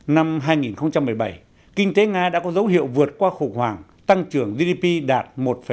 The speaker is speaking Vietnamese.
năm hai nghìn một mươi bảy kinh tế nga đã có dấu hiệu vượt qua khủng hoảng tăng trưởng gdp đạt một năm